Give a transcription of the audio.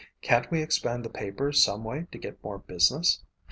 Can't we expand the paper some way to get more business?